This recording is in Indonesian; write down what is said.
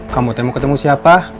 kamu mau ketemu siapa